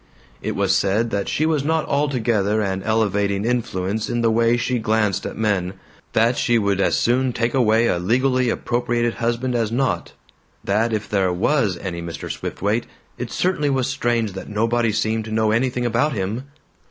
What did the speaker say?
It was said that she was not altogether an elevating influence in the way she glanced at men; that she would as soon take away a legally appropriated husband as not; that if there WAS any Mr. Swiftwaite, "it certainly was strange that nobody seemed to know anything about him!"